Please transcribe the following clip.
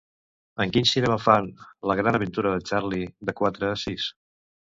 En quin cinema fan "La gran aventura de Charlie" de quatre a sis?